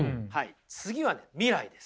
次はね未来です。